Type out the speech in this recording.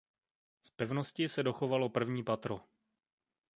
Z pevnosti se dochovalo první patro.